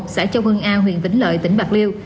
xã châu hưng a huyện vĩnh lợi tỉnh bạc liêu